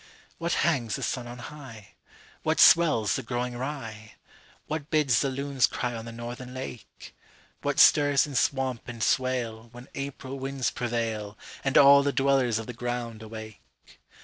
What hangs the sun on high? What swells the growing rye? What bids the loons cry on the Northern lake? What stirs in swamp and swale, When April winds prevail, And all the dwellers of the ground awake?